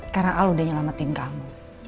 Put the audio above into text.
karena al udah nyelamatin kamu